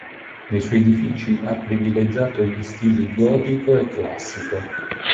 Nei suoi edifici ha privilegiato gli stili gotico e classico.